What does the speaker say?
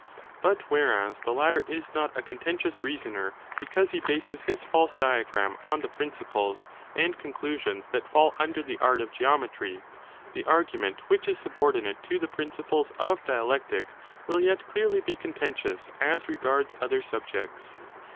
But whereas the latter is not a contentious reasoner, because he bases his false diagram on the principles and conclusions that fall under the art of geometry, the argument which is 172* subordinate to the principles of dialectic will yet clearly be contentious as regards other subjects.